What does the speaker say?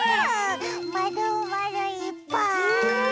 まるまるいっぱい！